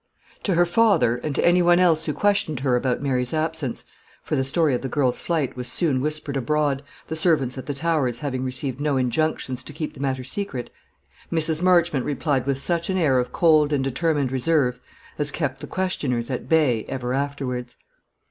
To her father, and to any one else who questioned her about Mary's absence, for the story of the girl's flight was soon whispered abroad, the servants at the Towers having received no injunctions to keep the matter secret, Mrs. Marchmont replied with such an air of cold and determined reserve as kept the questioners at bay ever afterwards.